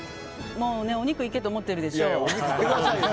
お肉いけと思ってるでしょ？